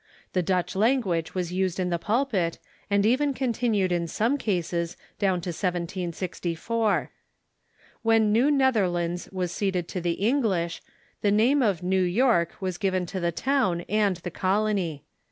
The Dutch language was used in the pulpit, and even continued in some cases down to 1V64. When New Netherlands was ceded to the English, the name of New York was given to the town and the colony.